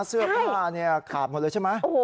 เสื้อผ้าขาดหมดเลยใช่ไหม